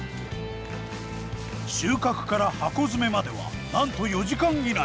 収穫から箱詰めまではなんと４時間以内。